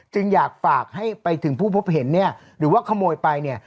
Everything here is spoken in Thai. จึงอยากฝากให้ไปถึงผู้พบเห็นเนี่ยหรือว่าขโมยไปเนี่ย